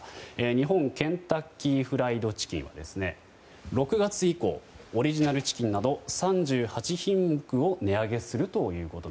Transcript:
日本ケンタッキー・フライド・チキンは６月以降、オリジナルチキンなど３８品目を値上げすると。